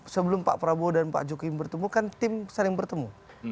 sebelum pak prabowo dan pak jokowi bertemu kan tim saling bertemu